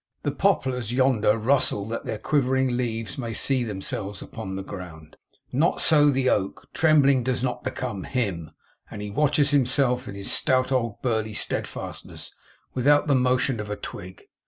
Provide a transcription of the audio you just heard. The poplars yonder rustle that their quivering leaves may see themselves upon the ground. Not so the oak; trembling does not become HIM; and he watches himself in his stout old burly steadfastness, without the motion of a twig.